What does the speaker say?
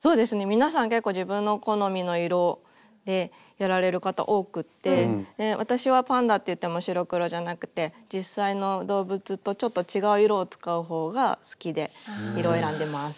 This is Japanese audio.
皆さん結構自分の好みの色でやられる方多くって私はパンダっていっても白黒じゃなくて実際の動物とちょっと違う色を使うほうが好きで色選んでます。